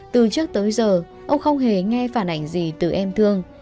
từ trước tới giờ ông không hề nghe phản ảnh gì từ em thương